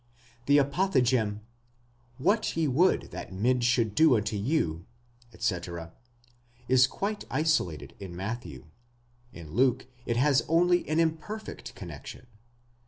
The apothegm, What ye would that men should do unto you, etc., is quite iso lated in Matthew; in Luke, it has only an imperfect connexion.